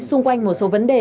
xung quanh một số vấn đề